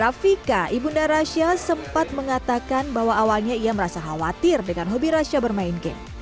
rafika ibunda rasha sempat mengatakan bahwa awalnya ia merasa khawatir dengan hobi rasha bermain game